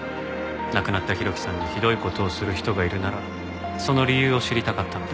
亡くなった浩喜さんにひどい事をする人がいるならその理由を知りたかったので。